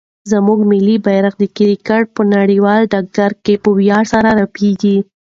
زموږ ملي بیرغ د کرکټ په هر نړیوال ډګر کې په ویاړ سره رپېږي.